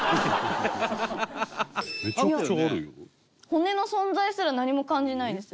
骨の存在すら何も感じないです。